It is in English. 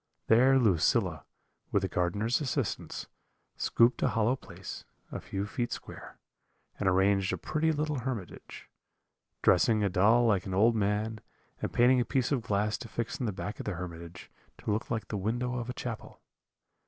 There Lucilla, with the gardener's assistance, scooped a hollow place, a few feet square, and arranged a pretty little hermitage: dressing a doll like an old man, and painting a piece of glass to fix in the back of the hermitage, to look like the window of a chapel.